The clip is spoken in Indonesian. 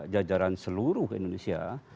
jajaran seluruh indonesia